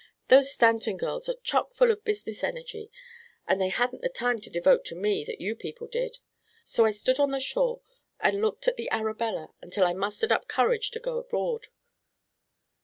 Those Stanton girls are chock full of business energy and they hadn't the time to devote to me that you people did. So I stood on the shore and looked at the Arabella until I mustered up courage to go aboard.